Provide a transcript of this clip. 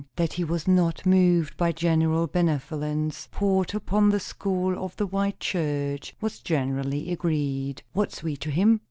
That he was not moved by general benevolence, poured out upon the school of the white church, was generally agreed. "What's we to him?"